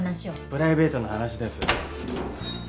プライベートな話です。